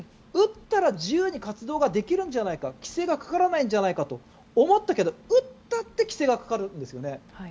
打ったら自由に活動ができるんじゃないか規制がかからないんじゃないかと思ったけれども打ったって規制がかかるんですよね。